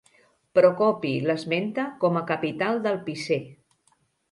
Procopi l'esmenta com a capital del Picé.